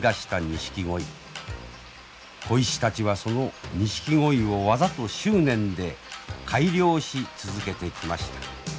鯉師たちはそのニシキゴイを技と執念で改良し続けてきました。